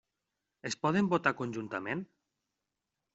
Es poden votar conjuntament?